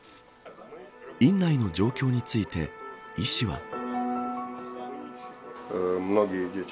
院内の状況について医師は。